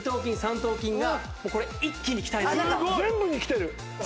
全部にきてる。